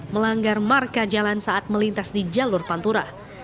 melanggar marka jalan saat melintas di jalur pantura